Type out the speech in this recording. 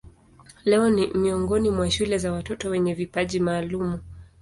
Leo ni miongoni mwa shule za watoto wenye vipaji maalumu.